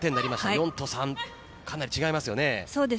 ４と３、かなり違いますね。